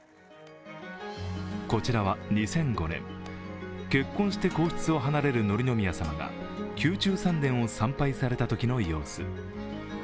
こちらは、２００５年、結婚して皇室を離れる紀宮さまが宮中三殿を参拝されたときの様子。